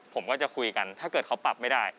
ผมก็จะคุยกันถ้าเกิดเขาปรับไม่ได้